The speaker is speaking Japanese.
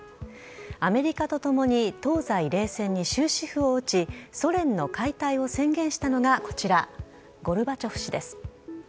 アメリカとともに東西冷戦に終止符を打ちソ連の解体を宣言したのがこちらゴルバチョフ氏です。